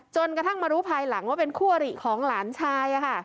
จนกระทั่งมารู้ภายหลังว่าเป็นคู่อริของหลานชาย